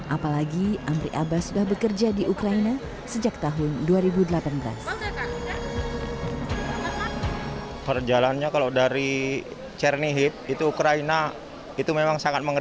apalagi amri abbas sudah bekerja di ukraina sejak tahun dua ribu delapan belas